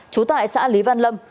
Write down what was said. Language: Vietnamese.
trú tại xã lý văn lâm